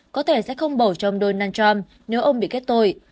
có thể sẽ không bầu cho ông donald trump nếu ông bị kết tội